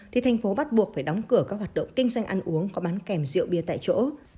thì thành phố bắt buộc phải đóng cửa các hoạt động kinh doanh ăn uống có bán kèm rượu bia tại chỗ